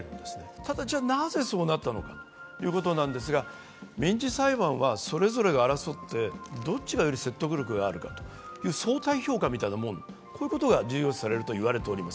ただ、なぜそうなったのかということなんですが民事裁判はそれぞれが争って、どっちがより説得力があるかという相対評価、こういうことが重要視されるといわれております。